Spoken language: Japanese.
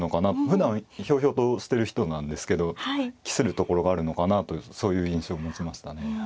ふだんひょうひょうとしてる人なんですけど期するところがあるのかなあとそういう印象を持ちましたね。